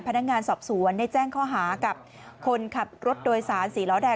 พนักงานสอบสวนได้แจ้งข้อหากับคนขับรถโดยสารสีล้อแดง